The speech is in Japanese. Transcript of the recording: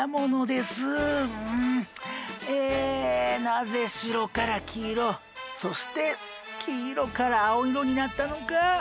なぜ白から黄色そして黄色から青色になったのか！